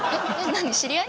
何知り合い？